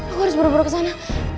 aku harus buru buru ke sana